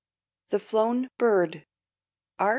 THE FLOWN BIRD. R.